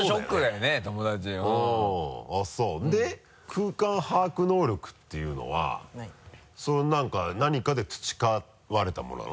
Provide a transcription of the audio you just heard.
空間把握能力っていうのは何かで培われたものなの？